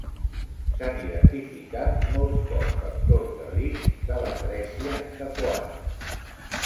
S'han identificat molts pocs factors de risc de l'atrèsia de coanes.